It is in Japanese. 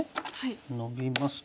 ノビますと。